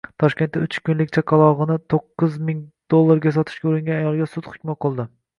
Toshkentda uch kunlik chaqalog‘inito´qqizming dollarga sotishga uringan ayolga sud hukmi o‘qildi